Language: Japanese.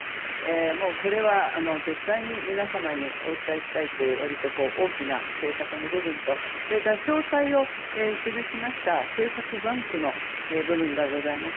もう、これは絶対に皆様にお伝えしたいと大きな政策の部分とそれから詳細を記しました政策バンクの部分がございます。